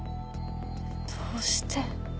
どうして。